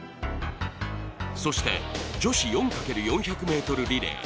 そして、女子４×４００ｍリレー。